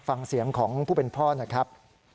ฟังเสียงของผู้เป็นพ่อหน่อยครับ